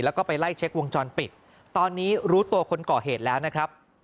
แล้วก็ไปไล่เช็ควงจรปิดตอนนี้รู้ตัวคนก่อเหตุแล้วนะครับ